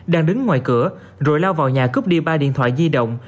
đang đứng ngoài cửa rồi lao vào nhà cướp đi ba điện thoại di động